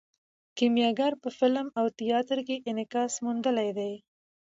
کیمیاګر په فلم او تیاتر کې انعکاس موندلی دی.